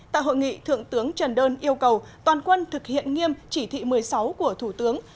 tại hội nghị thượng tướng trần đơn yêu cầu toàn quân thực hiện nghiêm chỉ thị một mươi sáu của thủ tướng